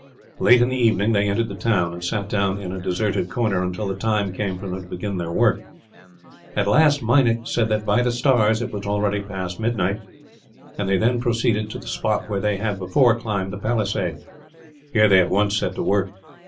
Late in the evening they entered the town, and sat down in a deserted corner until the time came for them to begin their work. At last Meinik said that, by the stars, it was already past midnight; and they then proceeded to the spot where they had before climbed the palisade. Here they at once set to work.